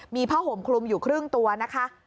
มีผ้าห่มคลุมอยู่ครึ่งตัวนะคะ